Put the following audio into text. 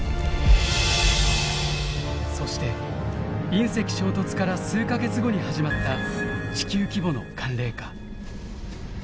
そして隕石衝突から数か月後に始まった地球規模の寒冷化。